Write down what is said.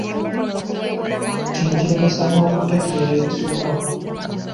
Kino kiremesa n'okutegeera ebisomwa.